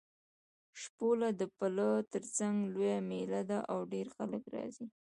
شپوله د پله تر څنګ لویه مېله ده او ډېر خلک راځي.